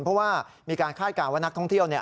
เพราะว่ามีการคาดการณ์ว่านักท่องเที่ยวเนี่ย